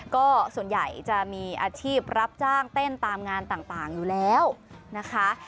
ก็ส่วนใหญ่จะมีอาชีพรับจ้างเต้นตามงานต่างอยู่แล้วนะคะ